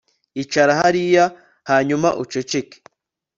Icara hariya hanyuma uceceke